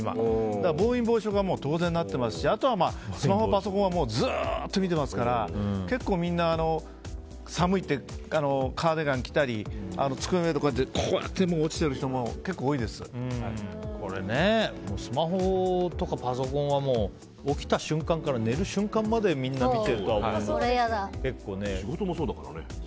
だから暴飲暴食は当然なってますしあとはスマホ、パソコンはずっと見てますから結構みんな、寒いってカーディガンを着たり机の上でこうやってしてる人もスマホとかパソコンは起きた瞬間から寝る瞬間まで仕事もそうだからね。